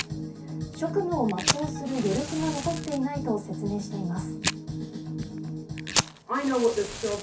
職務を全うする余力が残っていないと説明しています。